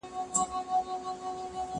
ايا ته سبزیجات وچوې،